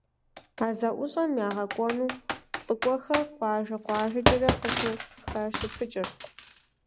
А зэӀущӀэм ягъэкӀуэну лӀыкӀуэхэр къуажэ-къуажэкӀэрэ къыщыхащыпыкӀырт.